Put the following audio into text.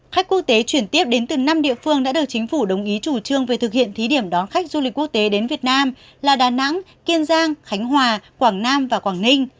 khách quốc tế chuyển tiếp đến từ năm địa phương đã được chính phủ đồng ý chủ trương về thực hiện thí điểm đón khách du lịch quốc tế đến việt nam là đà nẵng kiên giang khánh hòa quảng nam và quảng ninh